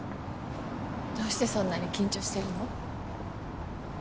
どうしてそんなに緊張してるの？